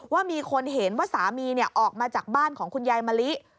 ว่ามีคนเห็นว่าสามีออกมาจากบ้านของคุณยายมะลิ